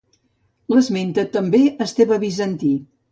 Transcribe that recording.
L'esmenta també Esteve Bizantí.